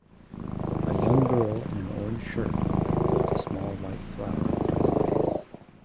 A young girl in an orange shirt holds a small white flower up to her face.